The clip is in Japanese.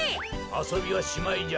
あそびはしまいじゃ。